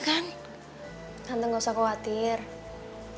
kalo masalah mama nanti aku njelaskan mama pasti ngerti ko